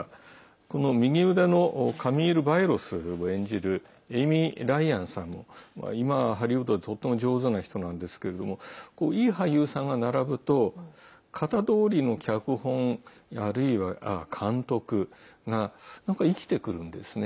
この右腕のカミール・バイロスを演じるエイミー・ライアンさんも今、ハリウッドでとても上手な人なんですけれどもいい俳優さんが並ぶと型どおりの脚本あるいは監督がなんか生きてくるんですね。